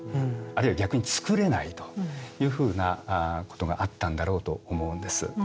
あるいは逆に作れないというふうなことがあったんだろうと思うんです。